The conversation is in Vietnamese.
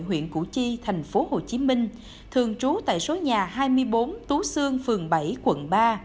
huyện củ chi tp hcm thường trú tại số nhà hai mươi bốn tú sương phường bảy quận ba